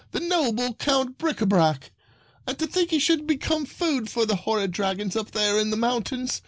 The noble Count Bricabrac !— to think he should become food for the horrid dragons up there in the mountains